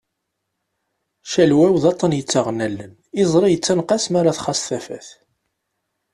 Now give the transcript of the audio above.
Calwaw d aṭan yettaɣen allen, iẓri yettanqas m'ara txaṣ tafat.